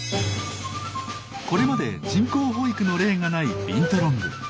これまで人工哺育の例がないビントロング。